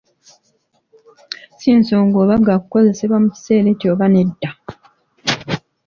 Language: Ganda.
Ssi nsonga oba gaakukozesebwa mu kiseera ekyo oba nedda.